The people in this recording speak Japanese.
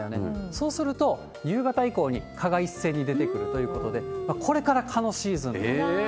そうすると、夕方以降に蚊が一斉に出てくるということで、これから蚊のシーズンと。